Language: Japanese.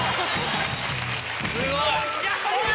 すごい。